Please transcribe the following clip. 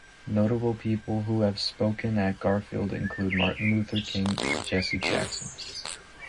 Notable people who have spoken at Garfield include Martin Luther King and Jesse Jackson.